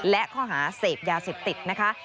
และข้อหาเสพยาเสพติดนะคะ